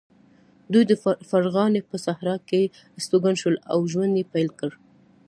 دوی د فرغانې په صحرا کې استوګن شول او ژوند یې پیل کړ.